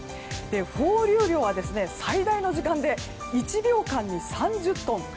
放流量は最大の時間で１秒間に３０トン。